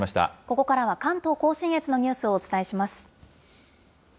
ここからは関東甲信越のニュースをお伝えします。